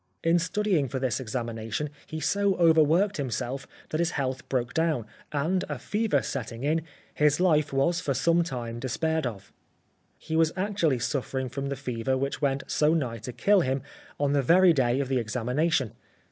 In study ing for this examination he so overworked him self that his health broke down, and a fever setting in his life was for some time despaired of. He was actually suffering from the fever which went so nigh to kill him, on the very day of the ex amination.